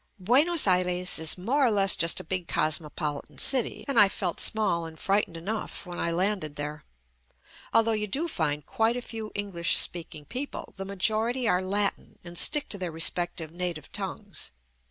JUST ME Buenos Aires is more or less just a big cos mopolitan city, and I felt small and frightened enough when I landed there. Although you do find quite a few English speaking people, the majority are Latin and stick to their re spective native tongues.